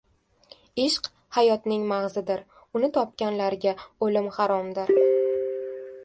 • Ishq hayotning mag‘zidir, uni topganlarga o‘lim haromdir.